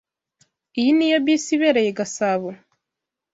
Iyi niyo bisi ibereye Gasabo?